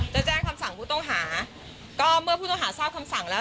จะแจ้งคำสั่งผู้ต้องหาก็เมื่อผู้ต้องหาทราบคำสั่งแล้ว